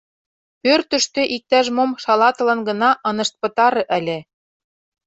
Пӧртыштӧ иктаж-мом шалатылын гына ынышт пытаре ыле.